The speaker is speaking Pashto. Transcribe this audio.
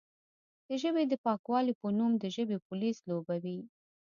د ژبې د پاکوالې په نوم د ژبې پولیس لوبوي،